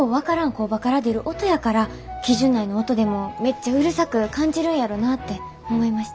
工場から出る音やから基準内の音でもめっちゃうるさく感じるんやろなって思いました。